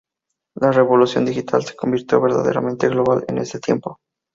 La revolución digital se convirtió verdaderamente global en este tiempo.